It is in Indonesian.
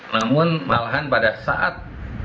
namun malahan pada saat